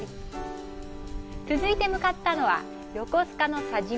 続いて向かったのは横須賀の佐島。